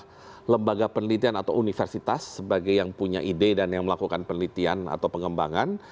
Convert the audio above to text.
pertama di satu sisi adalah lembaga penelitian atau universitas sebagai yang punya ide dan yang melakukan penelitian atau pengembangan